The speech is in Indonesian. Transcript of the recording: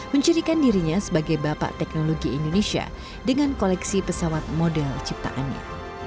menjadikan dirinya sebagai bapak teknologi indonesia dengan koleksi pesawat model ciptaannya